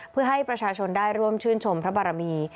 เพื่อให้ประชาชนได้ร่วมชื่นชมพระบารมี